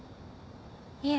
いえ。